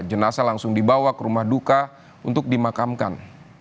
jenasa langsung dibawa ke rumah duka untuk dimakamkan